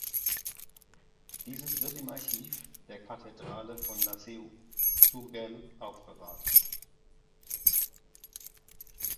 Dieses wird im Archiv der Kathedrale von La Seu d’Urgell aufbewahrt.